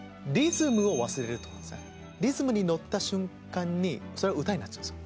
リズムに乗った瞬間にそれは歌になっちゃうんですよ。